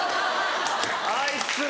あいつら！